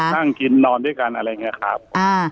นั่งกินนอนด้วยกันอะไรอย่างนี้ครับ